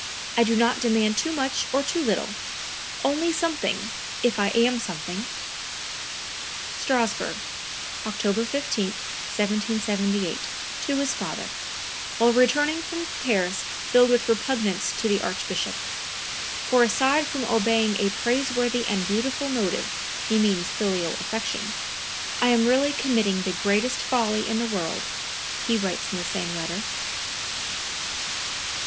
I do not demand too much or too little; only something, if I am something." (Strassburg, October 15, 1778, to his father, while returning from Paris filled with repugnance to the Archbishop. "For aside from obeying a praiseworthy and beautiful motive" (he means filial affection), "I am really committing the greatest folly in the world," he writes in the same letter.)